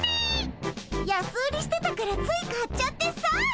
安売りしてたからつい買っちゃってさ。